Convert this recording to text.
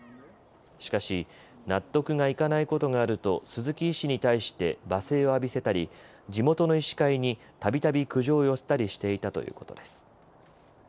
しかし納得がいかないことがあると鈴木医師に対して罵声を浴びせたり地元の医師会にたびたび苦情を寄せたりしていたということです。